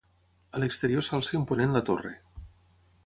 A l'exterior s'alça imponent la torre.